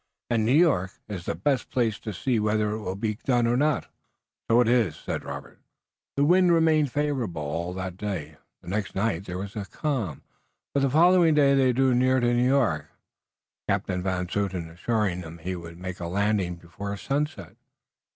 "And New York is the best place to see whether it will be done or not." "So it is." The wind remained favorable all that day, the next night there was a calm, but the following day they drew near to New York, Captain Van Zouten assuring them he would make a landing before sunset.